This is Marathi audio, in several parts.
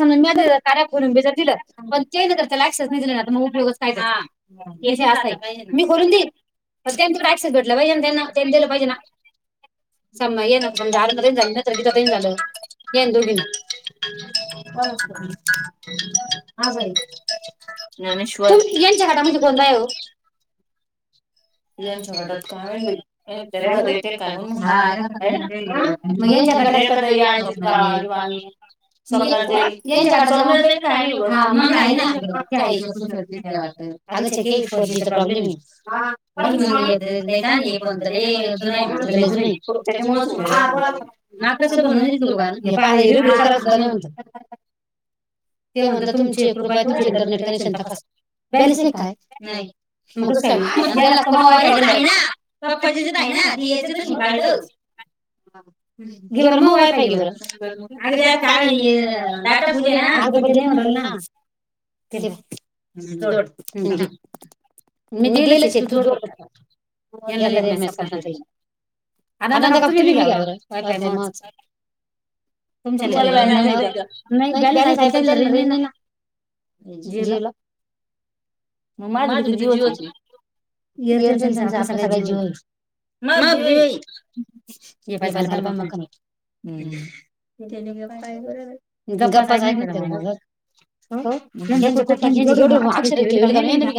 ून दिलं पण ते लॅक्षस नाही दिलं ना मग उयोगच काय का या अस मी करून देई ते ट्रॅक्सस भेटलं पाहिजे त्यांना त्यांनी दिलं पाहिजे ना स ये ना पण दारमध्ये जाली ना तर ति प झाल येन दुघीन हा बाई. तुम घच्यागता म्हजे बता आहे. काय म्हण ह. मगच्या शत्ही यांच्याकडे मग का का कस वा. अग क फोर जीचा प्रॉब्लेम आहे फोन जु ज त्या मज नाकास बनून लो हपा आ ह ब ते म्हणतात तुमची एक रृपया तुमचे इंटरनेट कनेक्शन तपास बेलसे काय नाही. सग आहे ना पप्पा आहे ना जियाचे तर शिंकालड घे बर मग वायफाय घे बर त्यात दाटा भूले ना अग प नाहीर ना. ते जड ह्. मी देलच आहे तू जोड बघता यांना दे मप आनंद काप तुम्ही बीघ्यावर काय काय म तुमच्याल नाहीनेच पण जाल रे नाही ना जीवला माझ भ जिओच एरटेलच आपल्या सगळे जिओ मग तेव झालं पा म नाही. गप्पपा सक नाही खड मा हो कठ जोड अक्षर का?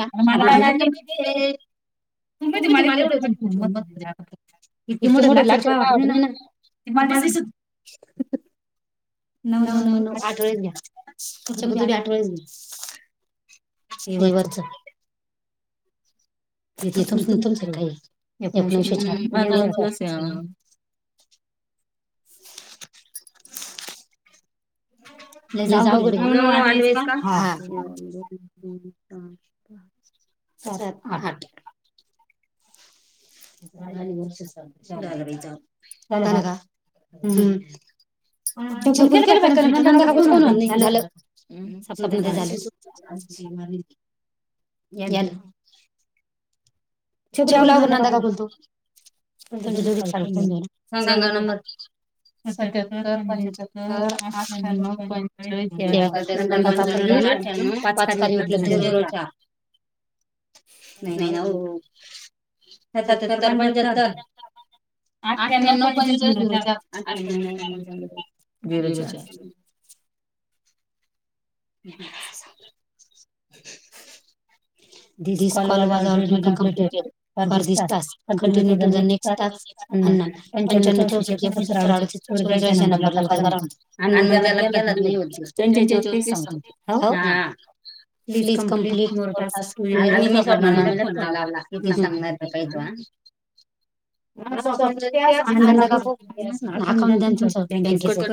तुम म इतककी मोठे लाक्ष रुपये वाटत नाही ना. नऊ नऊ नऊ आठ वेळेस घ्या शग तुम्ही आठ वेळेस घ्या. हे वर्च इथ तुमच काही एकोणविशे प जा अव कर नऊ नऊ आठ वस का हा. हम् स आ. [inaudible] र्ष झा जा झाला का ह. छपुल केलं बा कनेक्टर नंदा खत को झालं. स्वप्न झालं याला चछकुलावर नंदा का बोलतो त्यां डी चाल सांगा ना मग सत्याहत्तर पंच्याहत्तर अठ्ठ्याण्णव पंचाळीस पाचकारी उपलब्ध नाही ना. सतत्तर पण जात. अठ्ठण्णव पचाळीसारठरोजार ह. [unintelligible] दिस call was already completed for this task continue to the next task अण् पंच्याण्णव चौसष्ट एकोणसत्तर अडश ते चोवेचाळीस या नंबरला कॉल करा होत. आणि मग त्याला गेलात नाही हो त्यांचे ज्योतीिष समज हो ह. प्लीज कंप्लीट आता मी स्वप्न ना म्हझ फोन लावला तीच नगणार ते पाहि तो अंदा का अकाउंट द बँकेच झा ह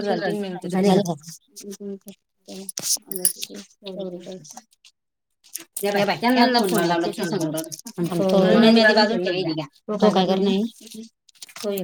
चर कर. ते बाय त्यांना फोनला ते सांग तो म्याधी बलून घ तो काय कर नाही ना.